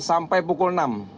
sampai pukul enam